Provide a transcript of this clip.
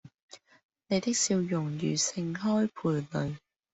你的笑容如盛開蓓蕾